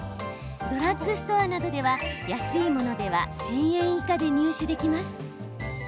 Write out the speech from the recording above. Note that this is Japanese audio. ドラッグストアなどでは安いものでは１０００円以下で入手できます。